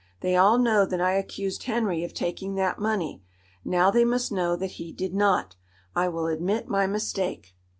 They all know that I accused Henry of taking that money. Now they must know that he did not. I will admit my mistake."